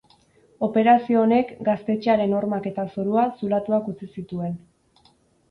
Operazio honek gaztetxearen hormak eta zorua zulatuak utzi zituen.